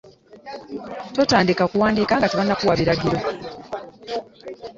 Totandika kuwandika nga tebannakuwa biragiro!